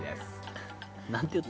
何て言った？